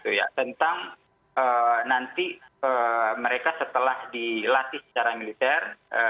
sehingga ini cukup mengkhawatirkan tentang nanti mereka setelah dilatih secara militer